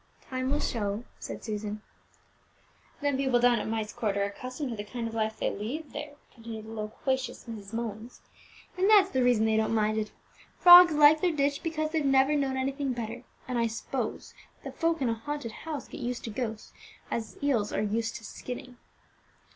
"Time will show," said Susan. "Them people down at Myst Court are accustomed to the kind of life they lead there," continued the loquacious Mrs. Mullins, "and that's the reason they don't mind it. Frogs like their ditch because they've never known anything better; and I suppose that folk in a haunted house get used to ghosts, as eels are used to skinning."